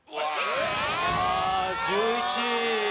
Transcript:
１１位。